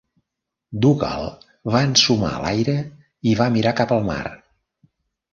Dougal va ensumar l'aire i va mirar cap el mar.